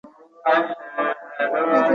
এতে প্রাণীর ফর্ম রয়েছে।